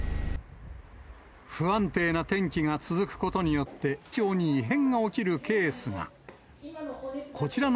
不安定な天気が続くことによって、体調に異変が起きるケースが。